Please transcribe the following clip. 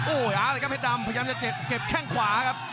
โอ้โหเอาเลยครับเพชรดำพยายามจะเก็บแข้งขวาครับ